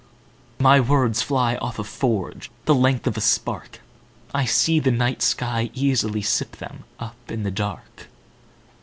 My words fly off a forgeThe length of a spark;I see the night sky easily sip themUp in the dark.